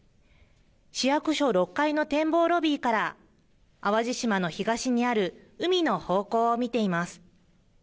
市役所６階の展望ロビーから淡路島の東にある海の方向を見ています。